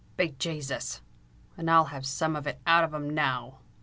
"Be Jasus! and I'll have some of it out of 'em now!"